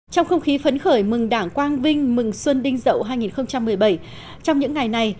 trong không khí phấn khởi mừng đảng quang vinh mừng xuân đinh dậu hai nghìn một mươi bảy trong những ngày này